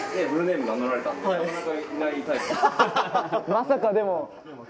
まさかでも。